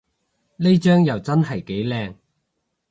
呢張又真係幾靚